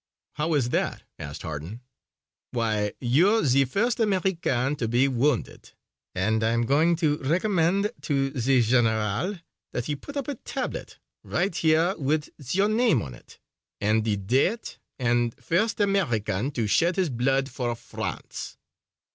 "How is that?" asked Harden. "Why, you're the first American to be wounded and I'm going to recommend to the general that he put up a tablet right here with your name on it and the date and 'first American to shed his blood for France.'"